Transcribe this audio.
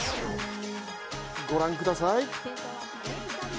ご覧ください。